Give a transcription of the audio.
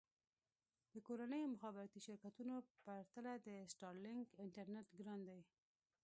د کورنیو مخابراتي شرکتونو پرتله د سټارلېنک انټرنېټ ګران دی.